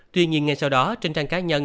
tuy nhiên ngay sau đó trên trang cá nhân